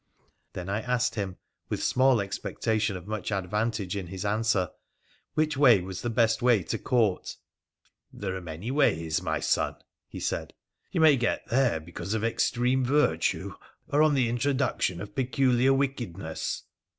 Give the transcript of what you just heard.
Then I asked him, with small expectation of much advantage in his answer, ' which was the best way to Court.' ' There are many ways, my son,' he said. ' You may get there because of extreme virtue, or on the introduction of peculiar wickedness.'